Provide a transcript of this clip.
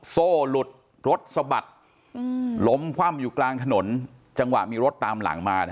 โซ่หลุดรถสะบัดล้มคว่ำอยู่กลางถนนจังหวะมีรถตามหลังมา